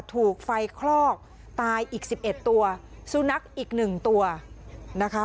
ถูกไฟคลอกตายอีก๑๑ตัวสุนัขอีก๑ตัวนะคะ